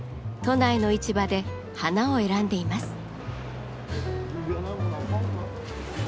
都内の市場で花を選んでいます。